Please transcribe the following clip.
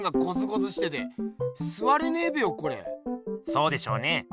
そうでしょうね。